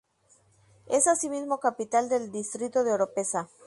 Es asimismo capital del distrito de Oropesa.